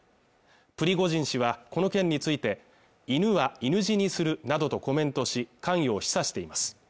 プリゴジン氏はこの件について犬は犬死にするなどとコメントし関与を示唆しています